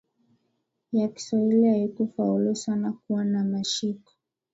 ya Kiswahili haikufaulu sana kuwa na mashiko